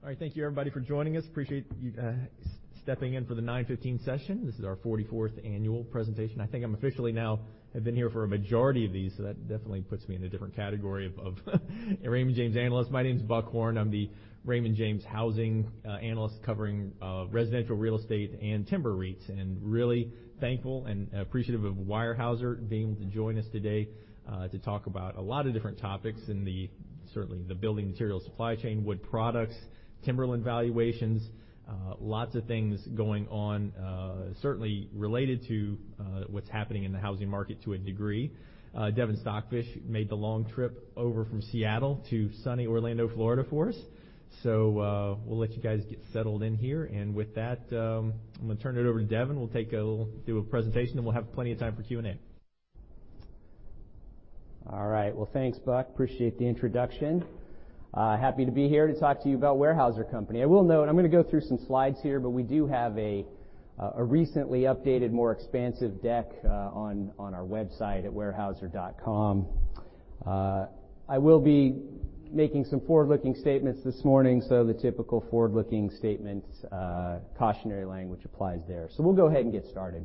All right. Thank you, everybody, for joining us. Appreciate you stepping in for the 9:15 session. This is our 44th annual presentation. I think I'm officially now have been here for a majority of these, that definitely puts me in a different category of Raymond James analyst. My name is Buck Horne. I'm the Raymond James housing analyst covering residential real estate and timber REITs, really thankful and appreciative of Weyerhaeuser being able to join us today to talk about a lot of different topics in the, certainly the building materials supply chain, wood products, timberland valuations, lots of things going on, certainly related to what's happening in the housing market to a degree. Devin Stockfish made the long trip over from Seattle to sunny Orlando, Florida for us. We'll let you guys get settled in here. With that, I'm gonna turn it over to Devin. We'll do a presentation, and we'll have plenty of time for Q&A. All right. Well, thanks, Buck. Appreciate the introduction. Happy to be here to talk to you about Weyerhaeuser Company. I will note I'm gonna go through some slides here, but we do have a recently updated, more expansive deck on our website at weyerhaeuser.com. I will be making some forward-looking statements this morning, the typical forward-looking statements cautionary language applies there. We'll go ahead and get started.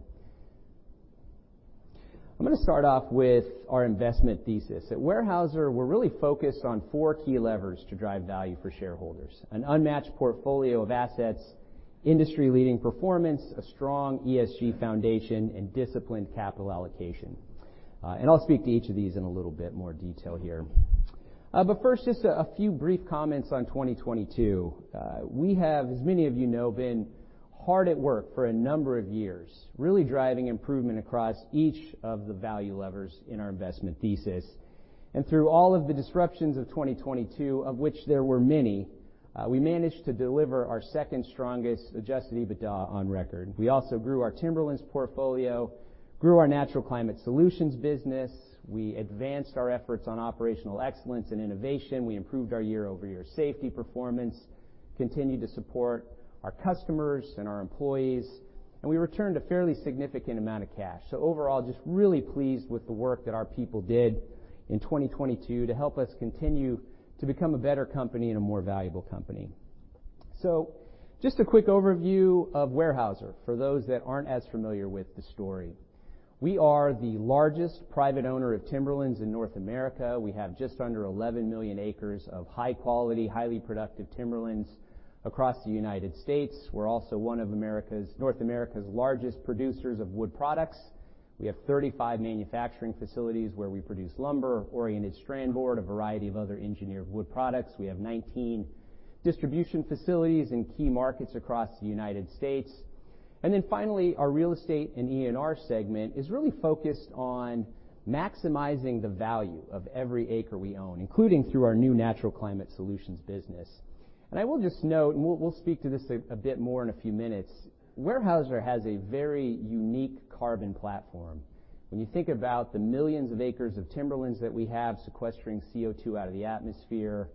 I'm gonna start off with our investment thesis. At Weyerhaeuser, we're really focused on four key levers to drive value for shareholders: an unmatched portfolio of assets, industry-leading performance, a strong ESG foundation, and disciplined capital allocation. I'll speak to each of these in a little bit more detail here. First, just a few brief comments on 2022. We have, as many of you know, been hard at work for a number of years, really driving improvement across each of the value levers in our investment thesis. Through all of the disruptions of 2022, of which there were many, we managed to deliver our second strongest adjusted EBITDA on record. We also grew our timberlands portfolio, grew our Natural Climate Solutions business. We advanced our efforts on operational excellence and innovation. We improved our year-over-year safety performance, continued to support our customers and our employees, and we returned a fairly significant amount of cash. Overall, just really pleased with the work that our people did in 2022 to help us continue to become a better company and a more valuable company. Just a quick overview of Weyerhaeuser for those that aren't as familiar with the story. We are the largest private owner of timberlands in North America. We have just under 11 million acres of high quality, highly productive timberlands across the United States. We're also one of North America's largest producers of wood products. We have 35 manufacturing facilities where we produce lumber, Oriented Strand Board, a variety of other engineered wood products. We have 19 distribution facilities in key markets across the United States. Finally, our real estate and ENR segment is really focused on maximizing the value of every acre we own, including through our new Natural Climate Solutions business. I will just note, and we'll speak to this a bit more in a few minutes, Weyerhaeuser has a very unique carbon platform. When you think about the millions of acres of timberlands that we have sequestering CO2 out of the atmosphere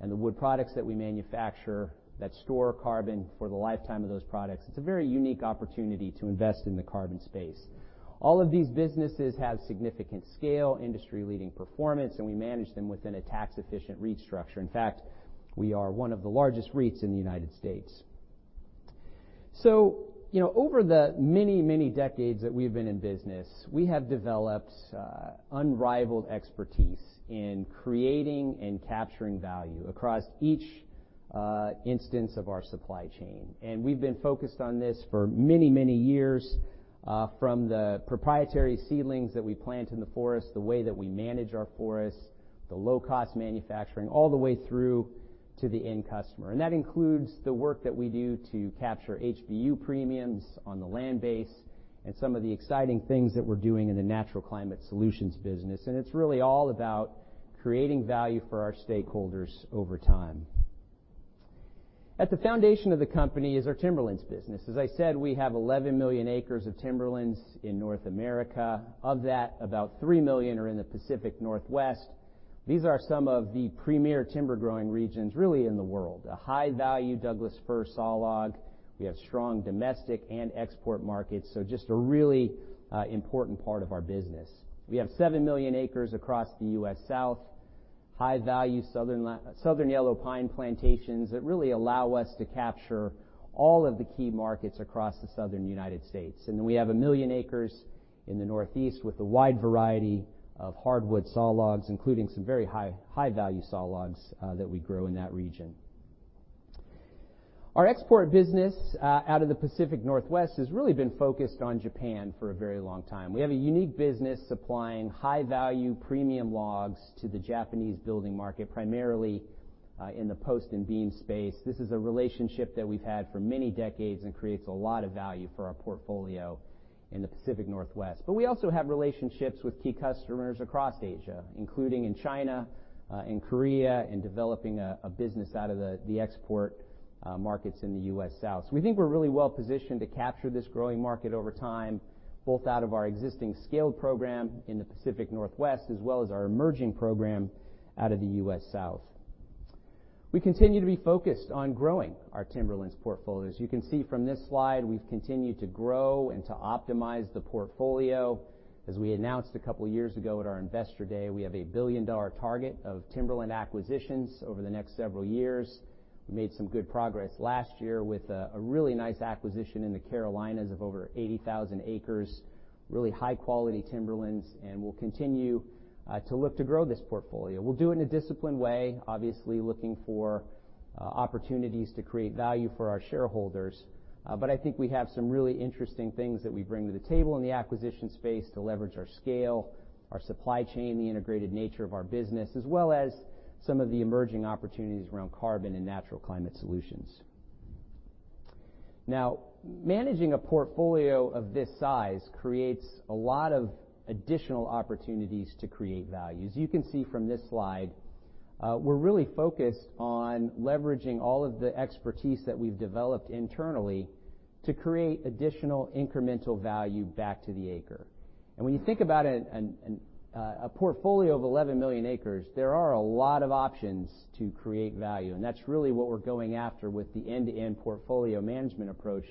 and the wood products that we manufacture that store carbon for the lifetime of those products, it's a very unique opportunity to invest in the carbon space. All of these businesses have significant scale, industry-leading performance, and we manage them within a tax-efficient REIT structure. In fact, we are one of the largest REITs in the United States. You know, over the many, many decades that we've been in business, we have developed unrivaled expertise in creating and capturing value across each instance of our supply chain. We've been focused on this for many, many years from the proprietary seedlings that we plant in the forest, the way that we manage our forests, the low-cost manufacturing, all the way through to the end customer. That includes the work that we do to capture HBU premiums on the land base and some of the exciting things that we're doing in the Natural Climate Solutions business. It's really all about creating value for our stakeholders over time. At the foundation of the company is our timberlands business. As I said, we have 11 million acres of timberlands in North America. Of that, about 3 million are in the Pacific Northwest. These are some of the premier timber growing regions really in the world. A high-value Douglas-fir sawlog. We have strong domestic and export markets, so just a really important part of our business. We have 7 million acres across the U.S. South, high-value southern yellow pine plantations that really allow us to capture all of the key markets across the Southern United States. We have 1 million acres in the Northeast with a wide variety of hardwood sawlogs, including some very high-value sawlogs that we grow in that region. Our export business out of the Pacific Northwest has really been focused on Japan for a very long time. We have a unique business supplying high-value premium logs to the Japanese building market, primarily in the post and beam space. This is a relationship that we've had for many decades and creates a lot of value for our portfolio in the Pacific Northwest. We also have relationships with key customers across Asia, including in China, in Korea, and developing a business out of the export markets in the U.S. South. We think we're really well-positioned to capture this growing market over time, both out of our existing scaled program in the Pacific Northwest as well as our emerging program out of the U.S. South. We continue to be focused on growing our timberlands portfolio. As you can see from this slide, we've continued to grow and to optimize the portfolio. As we announced a couple years ago at our Investor Day, we have a $1 billion target of timberland acquisitions over the next several years. We made some good progress last year with a really nice acquisition in the Carolinas of over 80,000 acres, really high-quality timberlands. We'll continue to look to grow this portfolio. We'll do it in a disciplined way, obviously looking for opportunities to create value for our shareholders. I think we have some really interesting things that we bring to the table in the acquisition space to leverage our scale, our supply chain, the integrated nature of our business, as well as some of the emerging opportunities around carbon and Natural Climate Solutions. Now, managing a portfolio of this size creates a lot of additional opportunities to create value. As you can see from this slide, we're really focused on leveraging all of the expertise that we've developed internally to create additional incremental value back to the acre. When you think about it, a portfolio of 11 million acres, there are a lot of options to create value, and that's really what we're going after with the end-to-end portfolio management approach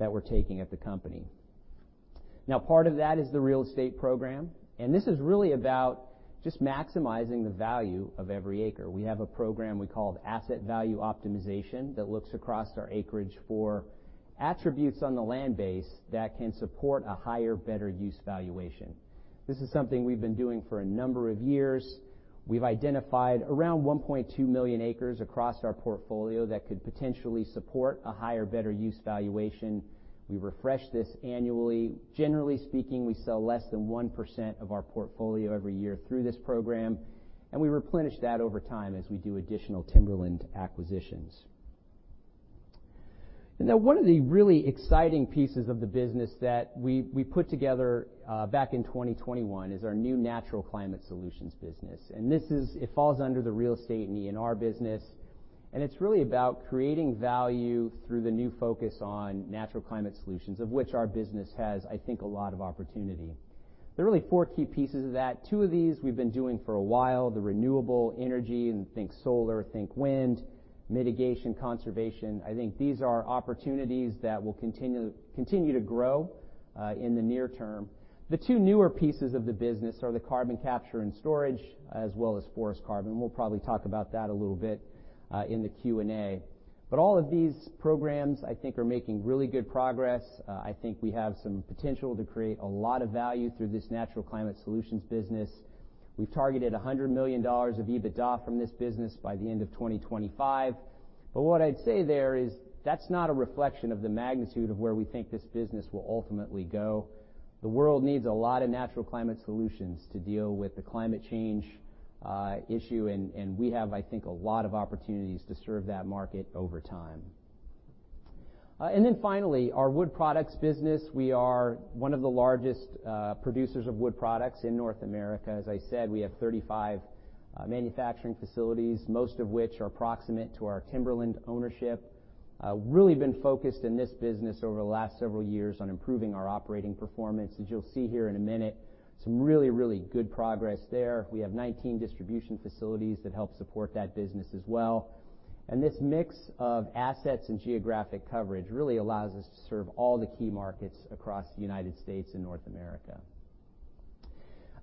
that we're taking at the company. Part of that is the real estate program, and this is really about just maximizing the value of every acre. We have a program we call Asset Value Optimization that looks across our acreage for attributes on the land base that can support a higher, better use valuation. This is something we've been doing for a number of years. We've identified around 1.2 million acres across our portfolio that could potentially support a higher, better use valuation. We refresh this annually. Generally speaking, we sell less than 1% of our portfolio every year through this program, and we replenish that over time as we do additional timberland acquisitions. One of the really exciting pieces of the business that we put together back in 2021 is our new Natural Climate Solutions business. It falls under the real estate and ENR business. It's really about creating value through the new focus on Natural Climate Solutions, of which our business has, I think, a lot of opportunity. There are really four key pieces of that. Two of these we've been doing for a while, the renewable energy, and think solar, think wind, mitigation, conservation. I think these are opportunities that will continue to grow in the near term. The two newer pieces of the business are the carbon capture and storage, as well as forest carbon. We'll probably talk about that a little bit in the Q&A. All of these programs, I think, are making really good progress. I think we have some potential to create a lot of value through this Natural Climate Solutions business. We've targeted $100 million of EBITDA from this business by the end of 2025. What I'd say there is that's not a reflection of the magnitude of where we think this business will ultimately go. The world needs a lot of Natural Climate Solutions to deal with the climate change issue and we have, I think, a lot of opportunities to serve that market over time. Finally, our wood products business. We are one of the largest producers of wood products in North America. As I said, we have 35 manufacturing facilities, most of which are proximate to our timberland ownership. Really been focused in this business over the last several years on improving our operating performance. As you'll see here in a minute, some really good progress there. We have 19 distribution facilities that help support that business as well. This mix of assets and geographic coverage really allows us to serve all the key markets across the United States and North America.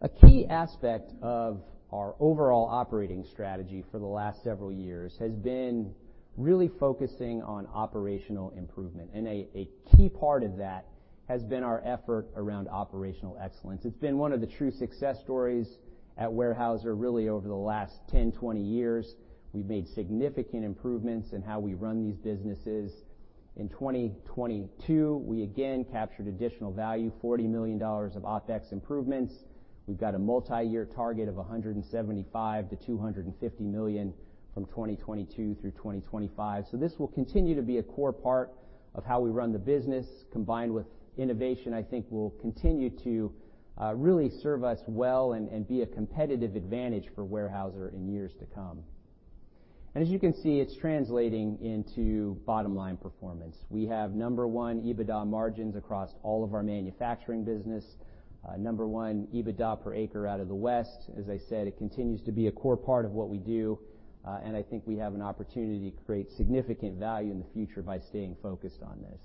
A key aspect of our overall operating strategy for the last several years has been really focusing on operational improvement, and a key part of that has been our effort around operational excellence. It's been one of the true success stories at Weyerhaeuser really over the last 10, 20 years. We've made significant improvements in how we run these businesses. In 2022, we again captured additional value, $40 million of OpEx improvements. We've got a multiyear target of $175 million-$250 million from 2022 through 2025. This will continue to be a core part of how we run the business, combined with innovation, I think will continue to really serve us well and be a competitive advantage for Weyerhaeuser in years to come. As you can see, it's translating into bottom-line performance. We have number one EBITDA margins across all of our manufacturing business, number one EBITDA per acre out of the West. As I said, it continues to be a core part of what we do, and I think we have an opportunity to create significant value in the future by staying focused on this.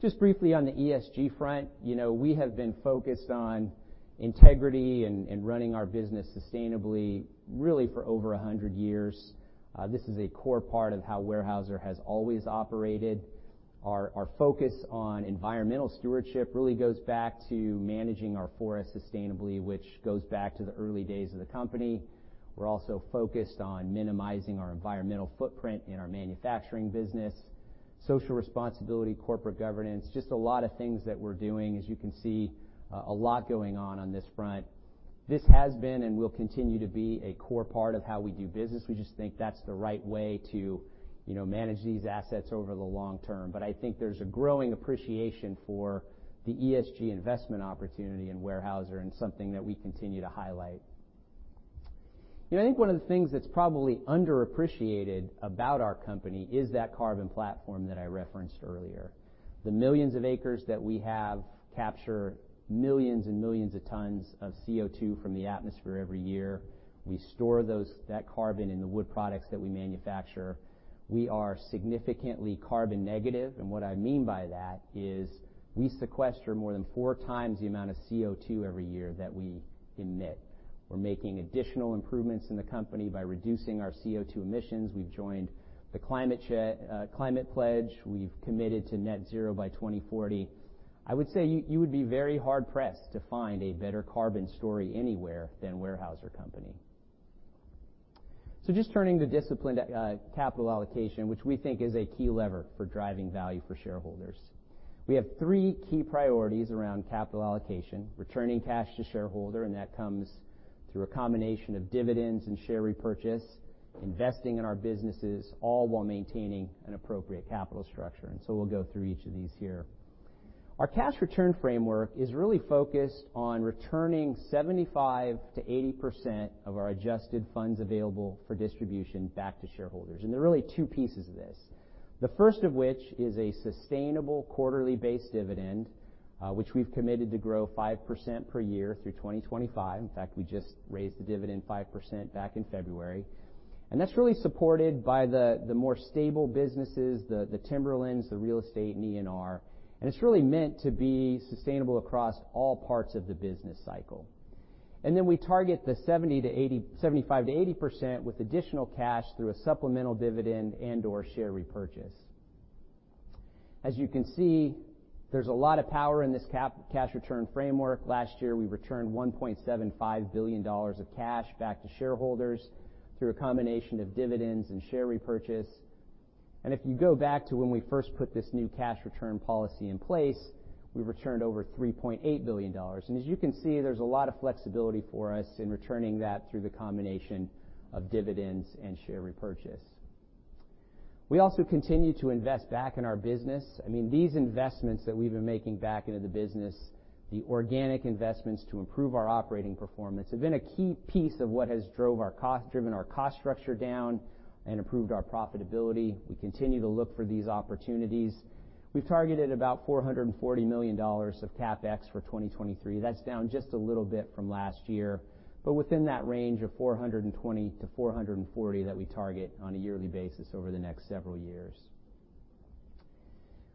Just briefly on the ESG front, you know, we have been focused on integrity and running our business sustainably really for over 100 years. This is a core part of how Weyerhaeuser has always operated. Our focus on environmental stewardship really goes back to managing our forests sustainably, which goes back to the early days of the company. We're also focused on minimizing our environmental footprint in our manufacturing business. Social responsibility, corporate governance, just a lot of things that we're doing. As you can see, a lot going on on this front. This has been and will continue to be a core part of how we do business. We just think that's the right way to, you know, manage these assets over the long term. I think there's a growing appreciation for the ESG investment opportunity in Weyerhaeuser and something that we continue to highlight. You know, I think one of the things that's probably underappreciated about our company is that carbon platform that I referenced earlier. The millions of acres that we have capture millions and millions of tons of CO2 from the atmosphere every year. We store that carbon in the wood products that we manufacture. We are significantly carbon negative. What I mean by that is we sequester more than 4 times the amount of CO2 every year that we emit. We're making additional improvements in the company by reducing our CO2 emissions. We've joined The Climate Pledge. We've committed to net zero by 2040. I would say you would be very hard-pressed to find a better carbon story anywhere than Weyerhaeuser Company. Just turning to disciplined capital allocation, which we think is a key lever for driving value for shareholders. We have three key priorities around capital allocation, returning cash to shareholders. That comes through a combination of dividends and share repurchase, investing in our businesses, all while maintaining an appropriate capital structure. We'll go through each of these here. Our cash return framework is really focused on returning 75%-80% of our Adjusted Funds Available for Distribution back to shareholders. There are really two pieces of this. The first of which is a sustainable quarterly-based dividend, which we've committed to grow 5% per year through 2025. In fact, we just raised the dividend 5% back in February. That's really supported by the more stable businesses, the timberlands, the real estate and ENR, and it's really meant to be sustainable across all parts of the business cycle. Then we target the 75% to 80% with additional cash through a supplemental dividend and/or share repurchase. There's a lot of power in this cap-cash return framework. Last year, we returned $1.75 billion of cash back to shareholders through a combination of dividends and share repurchase. If you go back to when we first put this new cash return policy in place, we returned over $3.8 billion. As you can see, there's a lot of flexibility for us in returning that through the combination of dividends and share repurchase. We also continue to invest back in our business. I mean, these investments that we've been making back into the business, the organic investments to improve our operating performance, have been a key piece of what has driven our cost structure down and improved our profitability. We continue to look for these opportunities. We've targeted about $440 million of CapEx for 2023. That's down just a little bit from last year, but within that range of $420 million-$440 million that we target on a yearly basis over the next several years.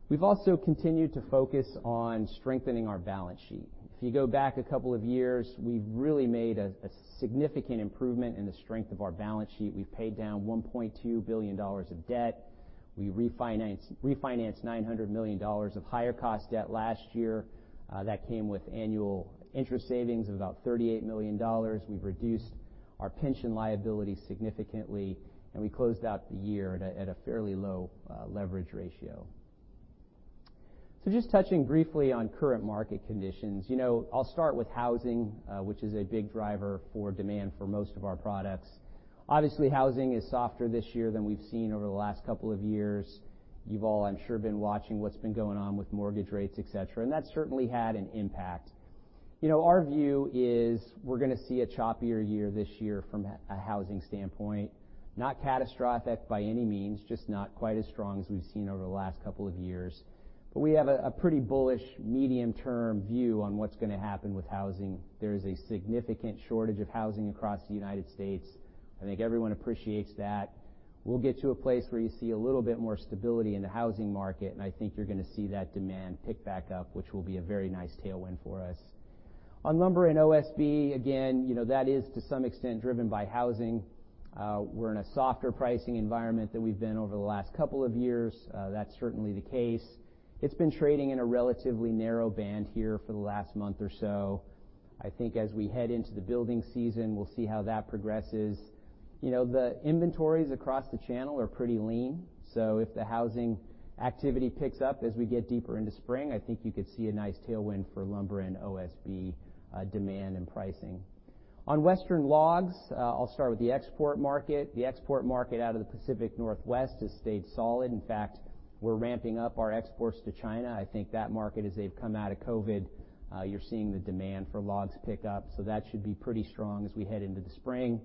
We've also continued to focus on strengthening our balance sheet. If you go back a couple of years, we've really made a significant improvement in the strength of our balance sheet. We've paid down $1.2 billion of debt. We refinanced $900 million of higher cost debt last year, that came with annual interest savings of about $38 million. We've reduced our pension liability significantly, and we closed out the year at a fairly low leverage ratio. Just touching briefly on current market conditions. You know, I'll start with housing, which is a big driver for demand for most of our products. Obviously, housing is softer this year than we've seen over the last couple of years. You've all, I'm sure, been watching what's been going on with mortgage rates, et cetera, and that certainly had an impact. You know, our view is we're gonna see a choppier year this year from a housing standpoint. Not catastrophic by any means, just not quite as strong as we've seen over the last couple of years. We have a pretty bullish medium-term view on what's gonna happen with housing. There is a significant shortage of housing across the United States. I think everyone appreciates that. We'll get to a place where you see a little bit more stability in the housing market, and I think you're gonna see that demand pick back up, which will be a very nice tailwind for us. On lumber and OSB, again, you know, that is to some extent driven by housing. We're in a softer pricing environment than we've been over the last couple of years. That's certainly the case. It's been trading in a relatively narrow band here for the last month or so. I think as we head into the building season, we'll see how that progresses. You know, the inventories across the channel are pretty lean, so if the housing activity picks up as we get deeper into spring, I think you could see a nice tailwind for lumber and OSB demand and pricing. On Western logs, I'll start with the export market. The export market out of the Pacific Northwest has stayed solid. In fact, we're ramping up our exports to China. I think that market, as they've come out of COVID, you're seeing the demand for logs pick up, so that should be pretty strong as we head into the spring.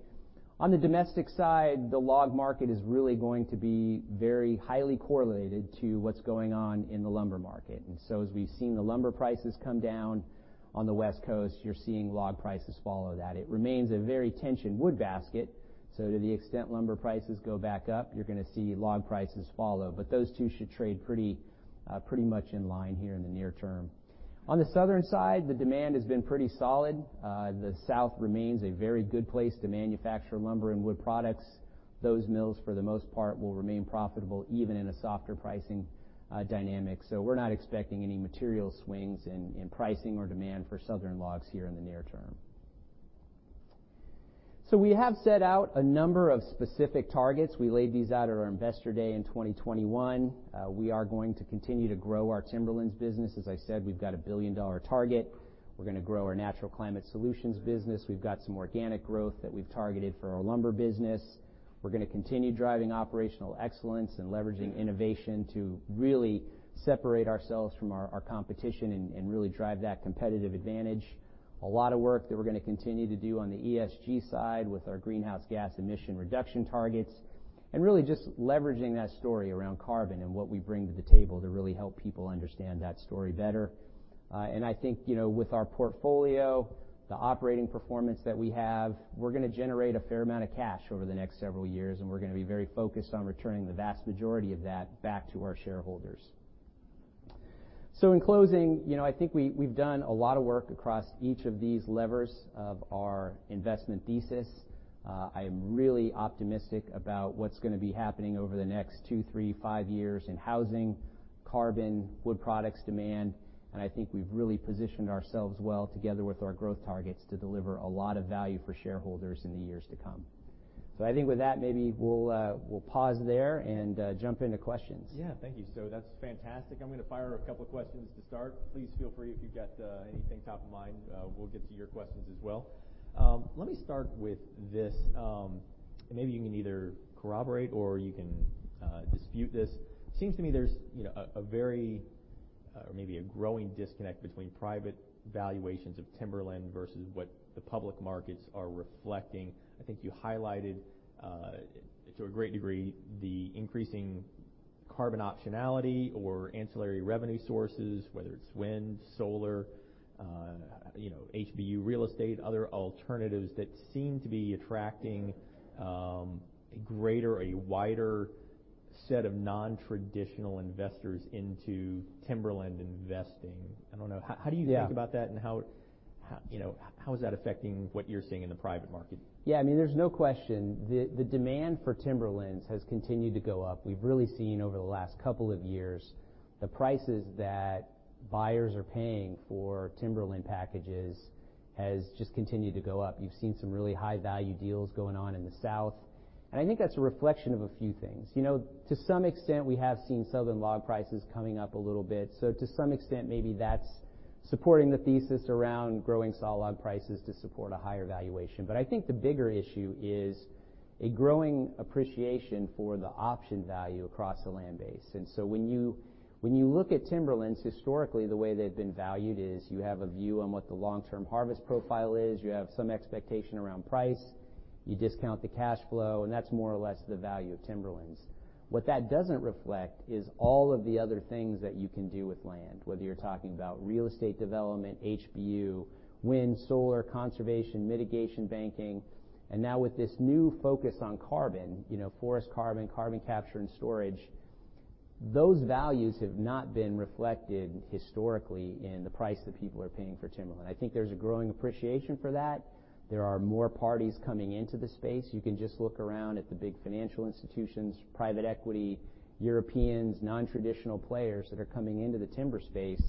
On the domestic side, the log market is really going to be very highly correlated to what's going on in the lumber market. As we've seen the lumber prices come down on the West Coast, you're seeing log prices follow that. It remains a very tight wood basket, so to the extent lumber prices go back up, you're gonna see log prices follow. Those two should trade pretty much in line here in the near term. On the southern side, the demand has been pretty solid. The South remains a very good place to manufacture lumber and wood products. Those mills, for the most part, will remain profitable even in a softer pricing dynamic. We're not expecting any material swings in pricing or demand for southern logs here in the near term. We have set out a number of specific targets. We laid these out at our Investor Day in 2021. We are going to continue to grow our timberlands business. As I said, we've got a billion-dollar target. We're gonna grow our Natural Climate Solutions business. We've got some organic growth that we've targeted for our lumber business. We're gonna continue driving operational excellence and leveraging innovation to really separate ourselves from our competition and really drive that competitive advantage. A lot of work that we're gonna continue to do on the ESG side with our greenhouse gas emission reduction targets. Really just leveraging that story around carbon and what we bring to the table to really help people understand that story better. I think, you know, with our portfolio, the operating performance that we have, we're gonna generate a fair amount of cash over the next several years. We're gonna be very focused on returning the vast majority of that back to our shareholders. In closing, you know, I think we've done a lot of work across each of these levers of our investment thesis. I am really optimistic about what's gonna be happening over the next two, three, five years in housing, carbon, wood products demand, and I think we've really positioned ourselves well together with our growth targets to deliver a lot of value for shareholders in the years to come. I think with that, maybe we'll pause there and, jump into questions. Yeah. Thank you. That's fantastic. I'm gonna fire a couple of questions to start. Please feel free if you've got anything top of mind, we'll get to your questions as well. Let me start with this, and maybe you can either corroborate or you can dispute this. It seems to me there's, you know, a very or maybe a growing disconnect between private valuations of timberland versus what the public markets are reflecting. I think you highlighted to a great degree, the increasing carbon optionality or ancillary revenue sources, whether it's wind, solar, you know, HBU real estate, other alternatives that seem to be attracting a greater or a wider set of non-traditional investors into timberland investing. I don't know. How, how do you think- Yeah. about that, and how, you know, how is that affecting what you're seeing in the private market? Yeah. I mean, there's no question the demand for timberlands has continued to go up. We've really seen over the last couple of years, the prices that buyers are paying for timberland packages has just continued to go up. You've seen some really high value deals going on in the South. I think that's a reflection of a few things. You know, to some extent, we have seen southern log prices coming up a little bit. To some extent, maybe that's supporting the thesis around growing sawlog prices to support a higher valuation. I think the bigger issue is a growing appreciation for the option value across the land base. When you look at timberlands historically, the way they've been valued is you have a view on what the long-term harvest profile is, you have some expectation around price, you discount the cash flow, and that's more or less the value of timberlands. What that doesn't reflect is all of the other things that you can do with land, whether you're talking about real estate development, HBU, wind, solar, conservation, mitigation banking. Now with this new focus on carbon, you know, forest carbon capture and storage, those values have not been reflected historically in the price that people are paying for timberland. I think there's a growing appreciation for that. There are more parties coming into the space. You can just look around at the big financial institutions, private equity, Europeans, non-traditional players that are coming into the timber space,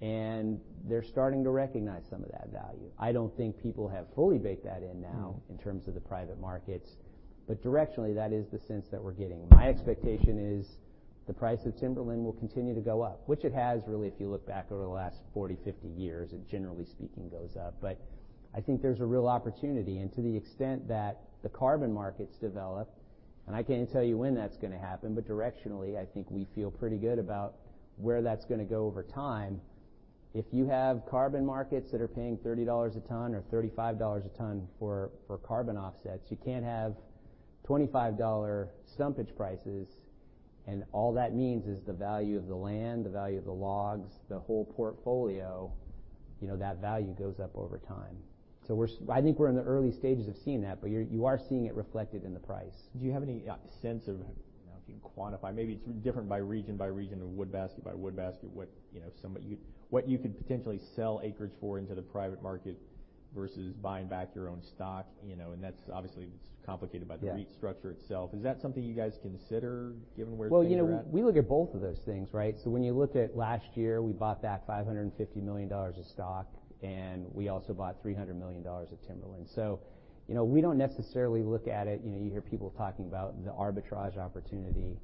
and they're starting to recognize some of that value. I don't think people have fully baked that in now- Mm-hmm. In terms of the private markets, directionally, that is the sense that we're getting. My expectation is the price of timberland will continue to go up, which it has really, if you look back over the last 40, 50 years, it generally speaking, goes up. I think there's a real opportunity. To the extent that the carbon markets develop, and I can't tell you when that's gonna happen, but directionally, I think we feel pretty good about where that's gonna go over time. If you have carbon markets that are paying $30 a ton or $35 a ton for carbon offsets, you can't have $25 stumpage prices. All that means is the value of the land, the value of the logs, the whole portfolio, you know, that value goes up over time. I think we're in the early stages of seeing that, but you are seeing it reflected in the price. Do you have any sense of, you know, if you can quantify, maybe it's different by region by region or wood basket by wood basket, what, you know, what you could potentially sell acreage for into the private market versus buying back your own stock, you know, and that's obviously complicated by the? Yeah. REIT structure itself, is that something you guys consider given where things are at? Well, you know, we look at both of those things, right? When you looked at last year, we bought back $550 million of stock, and we also bought $300 million of timberland. You know, we don't necessarily look at it, you know, you hear people talking about the arbitrage opportunity.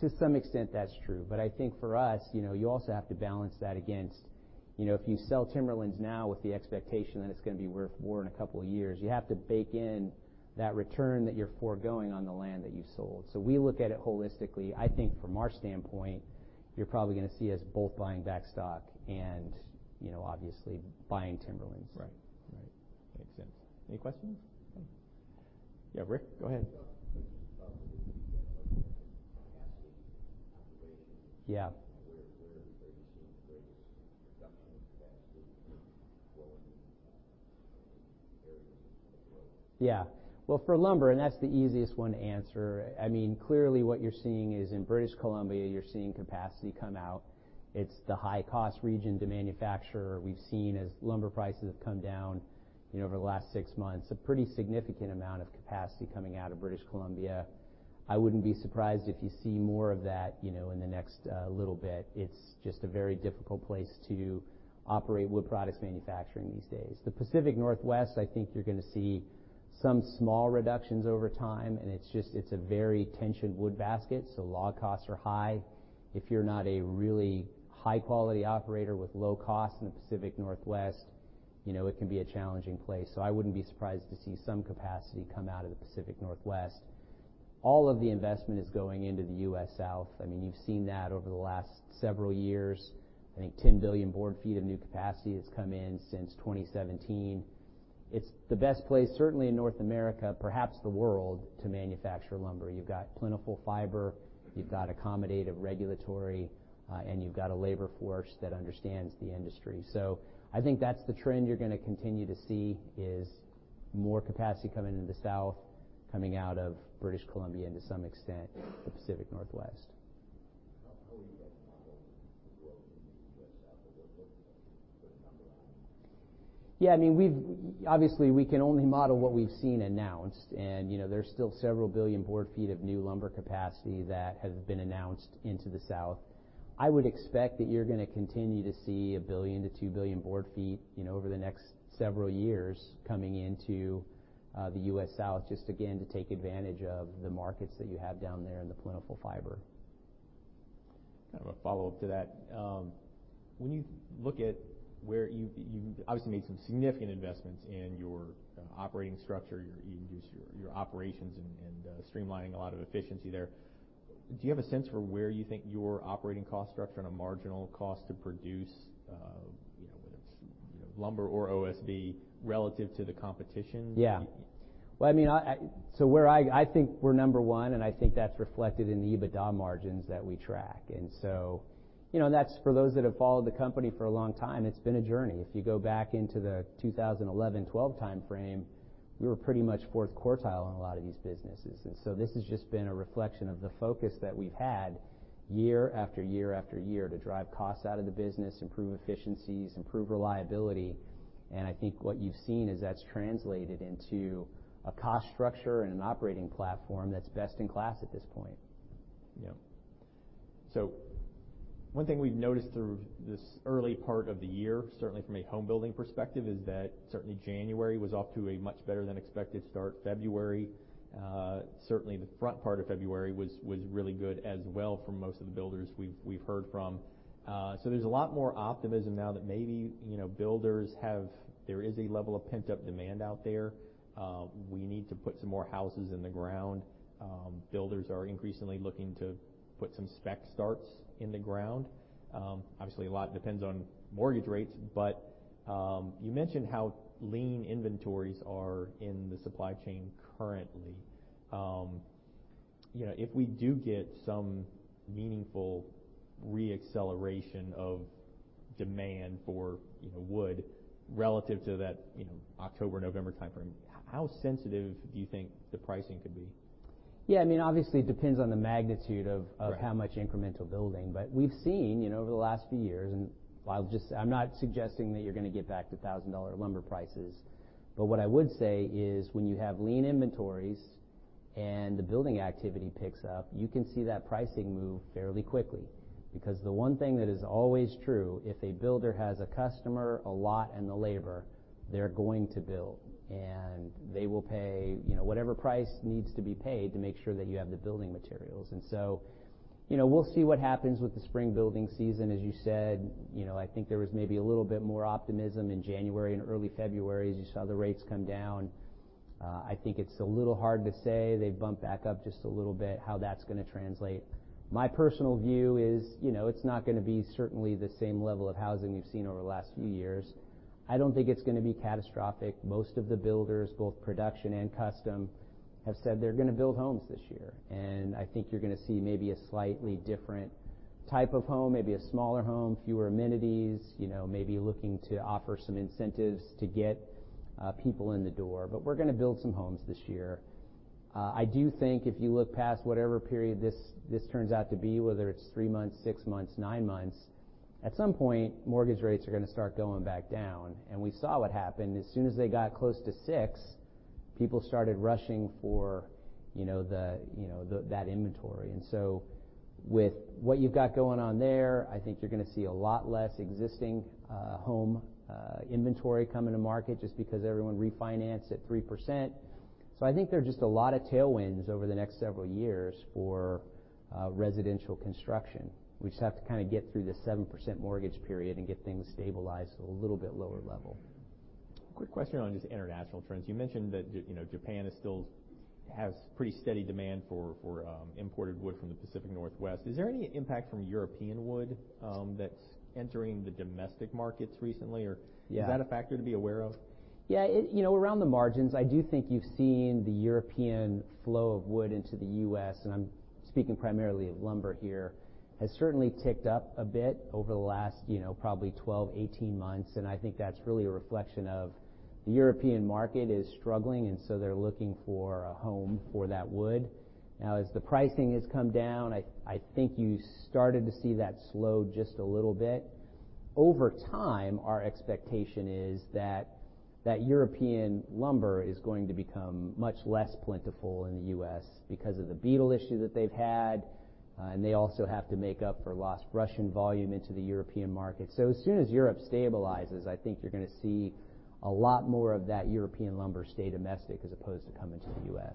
To some extent that's true, but I think for us, you know, you also have to balance that against, you know, if you sell timberlands now with the expectation that it's gonna be worth more in a couple of years, you have to bake in that return that you're foregoing on the land that you sold. We look at it holistically. I think from our standpoint, you're probably gonna see us both buying back stock and, you know, obviously buying timberlands. Right. Right. Makes sense. Any questions? Okay. Yeah, Rick, go ahead. Yeah. Where are you seeing the greatest reduction in capacity growing in areas of growth? Well, for lumber, that's the easiest one to answer, I mean, clearly what you're seeing is in British Columbia, you're seeing capacity come out. It's the high cost region to manufacture. We've seen as lumber prices have come down, you know, over the last six months, a pretty significant amount of capacity coming out of British Columbia. I wouldn't be surprised if you see more of that, you know, in the next little bit. It's just a very difficult place to operate wood products manufacturing these days. The Pacific Northwest, I think you're gonna see some small reductions over time, it's just a very tight wood basket, so log costs are high. If you're not a really high-quality operator with low cost in the Pacific Northwest. You know, it can be a challenging place. I wouldn't be surprised to see some capacity come out of the Pacific Northwest. All of the investment is going into the U.S. South. I mean, you've seen that over the last several years. I think 10 billion board feet of new capacity has come in since 2017. It's the best place, certainly in North America, perhaps the world, to manufacture lumber. You've got plentiful fiber, you've got accommodative regulatory, and you've got a labor force that understands the industry. I think that's the trend you're gonna continue to see is more capacity coming into the South, coming out of British Columbia and to some extent, the Pacific Northwest. How are you guys modeling the growth in the U.S. South? Put a number on it. Yeah, I mean, obviously, we can only model what we've seen announced. You know, there's still several billion board feet of new lumber capacity that has been announced into the South. I would expect that you're gonna continue to see 1 billion-2 billion board feet, you know, over the next several years coming into the U.S. South, just again, to take advantage of the markets that you have down there and the plentiful fiber. Kind of a follow-up to that. When you look at where you obviously made some significant investments in your operating structure, you reduced your operations and streamlining a lot of efficiency there. Do you have a sense for where you think your operating cost structure and a marginal cost to produce, you know, whether it's lumber or OSB relative to the competition? Yeah. Well, I mean, I think we're number one, and I think that's reflected in the EBITDA margins that we track. You know, that's for those that have followed the company for a long time, it's been a journey. If you go back into the 2011, 2012 time frame, we were pretty much fourth quartile in a lot of these businesses. This has just been a reflection of the focus that we've had year after year after year to drive costs out of the business, improve efficiencies, improve reliability. What you've seen is that's translated into a cost structure and an operating platform that's best in class at this point. One thing we've noticed through this early part of the year, certainly from a home building perspective, is that certainly January was off to a much better than expected start. February, certainly the front part of February was really good as well for most of the builders we've heard from. There's a lot more optimism now that maybe, you know, there is a level of pent-up demand out there, we need to put some more houses in the ground. Builders are increasingly looking to put some spec starts in the ground. Obviously, a lot depends on mortgage rates, but you mentioned how lean inventories are in the supply chain currently. You know, if we do get some meaningful re-acceleration of demand for, you know, wood relative to that, you know, October, November time frame, how sensitive do you think the pricing could be? Yeah, I mean, obviously it depends on the magnitude. Right of how much incremental building. We've seen, you know, over the last few years, I'm not suggesting that you're gonna get back to $1,000 lumber prices, what I would say is when you have lean inventories and the building activity picks up, you can see that pricing move fairly quickly. The one thing that is always true, if a builder has a customer, a lot, and the labor, they're going to build, and they will pay, you know, whatever price needs to be paid to make sure that you have the building materials. You know, we'll see what happens with the spring building season. As you said, you know, I think there was maybe a little bit more optimism in January and early February as you saw the rates come down. I think it's a little hard to say. They've bumped back up just a little bit, how that's gonna translate. My personal view is, you know, it's not gonna be certainly the same level of housing we've seen over the last few years. I don't think it's gonna be catastrophic. Most of the builders, both production and custom, have said they're gonna build homes this year. I think you're gonna see maybe a slightly different type of home, maybe a smaller home, fewer amenities, you know, maybe looking to offer some incentives to get people in the door. We're gonna build some homes this year. I do think if you look past whatever period this turns out to be, whether it's three months, six months, nine months, at some point, mortgage rates are gonna start going back down. We saw what happened. As soon as they got close to six, people started rushing for, you know, the, you know, that inventory. With what you've got going on there, I think you're gonna see a lot less existing home inventory come into market just because everyone refinanced at 3%. I think there are just a lot of tailwinds over the next several years for residential construction. We just have to kinda get through the 7% mortgage period and get things stabilized to a little bit lower level. Quick question on just international trends. You mentioned that you know, Japan has pretty steady demand for imported wood from the Pacific Northwest. Is there any impact from European wood that's entering the domestic markets recently? Yeah. Is that a factor to be aware of? Yeah. You know, around the margins, I do think you've seen the European flow of wood into the U.S., and I'm speaking primarily of lumber here, has certainly ticked up a bit over the last, you know, probably 12, 18 months. I think that's really a reflection of the European market is struggling, and so they're looking for a home for that wood. Now, as the pricing has come down, I think you started to see that slow just a little bit. Over time, our expectation is that European lumber is going to become much less plentiful in the U.S. because of the beetle issue that they've had, and they also have to make up for lost Russian volume into the European market. As soon as Europe stabilizes, I think you're gonna see a lot more of that European lumber stay domestic as opposed to coming to the U.S.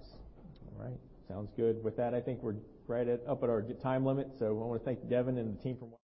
All right. Sounds good. With that, I think we're right at up at our time limit. I wanna thank Devin and the team for